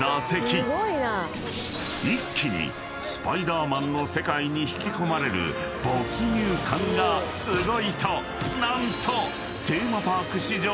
［一気に『スパイダーマン』の世界に引き込まれる没入感がすごいと何とテーマパーク史上初世界Ｎｏ．１